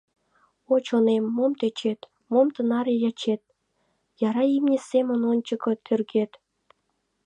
О, чонем, мом тӧчет, мом тынаре ячет, яра имне семын ончыко тӧргет?!